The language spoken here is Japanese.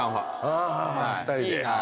あ２人で。